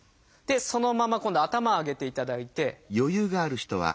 そのまま今度は頭上げていただいて。